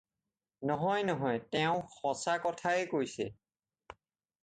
নহয় নহয় তেওঁ সঁচা কথাই কৈছে।